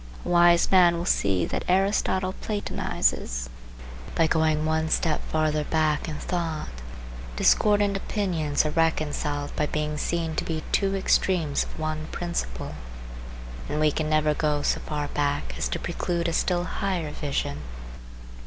A wise man will see that Aristotle platonizes. By going one step farther back in thought, discordant opinions are reconciled by being seen to be two extremes of one principle, and we can never go so far back as to preclude a still higher vision.